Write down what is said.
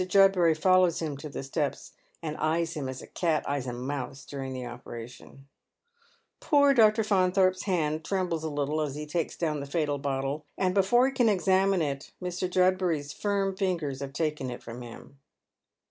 Judbury follows him to the steps, and eyes him as a cat eyes a mouse during tlie operation. Poor Dr. Fauntliorpe's hand trembles a little as he takes down rhe fatal bottie, and before he cau examine it Mr. Judbury's firna fingers have titken it from liim.